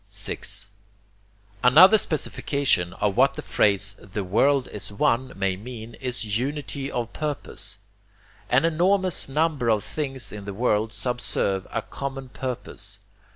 6. Another specification of what the phrase 'the world is One' may mean is UNITY OF PURPOSE. An enormous number of things in the world subserve a common purpose.